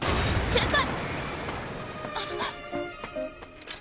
先輩！